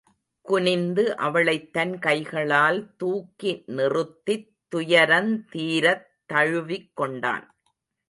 குனிந்து அவளைத் தன் கைகளால் தூக்கி நிறுத்தித் துயரந்தீரத் தழுவிக் கொண்டான்.